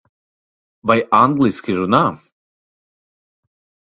Vai angliski runā?